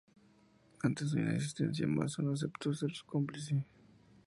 Ante su insistencia, Mason aceptó ser su cómplice.